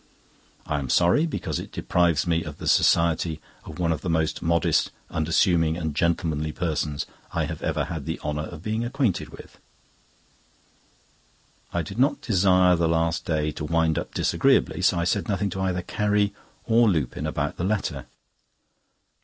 I am sorry, because it deprives me of the society of one of the most modest, unassuming, and gentlemanly persons I have ever had the honour of being acquainted with." I did not desire the last day to wind up disagreeably, so I said nothing to either Carrie or Lupin about the letter.